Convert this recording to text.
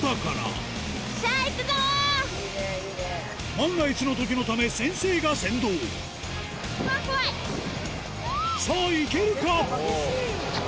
万が一のときのため先生が先導さぁいけるか？